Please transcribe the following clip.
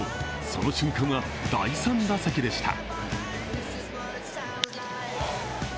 その瞬間は第３打席でした。